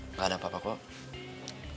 nggak ada apa apa kok